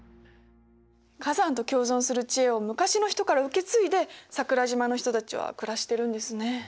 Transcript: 火山と共存する知恵を昔の人から受け継いで桜島の人たちは暮らしてるんですね。